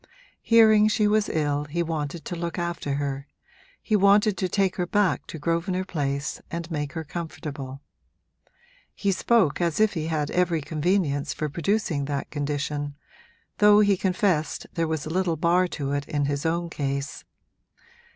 Hearing she was ill he wanted to look after her he wanted to take her back to Grosvenor Place and make her comfortable: he spoke as if he had every convenience for producing that condition, though he confessed there was a little bar to it in his own case.